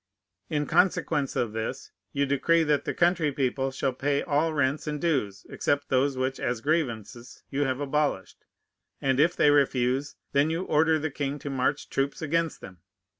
In consequence of this, you decree that the country people shall pay all rents and dues, except those which as grievances you have abolished; and if they refuse, then you order the king to march troops against them.